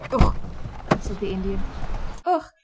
"Ugh!" said the Indian. "Ugh!"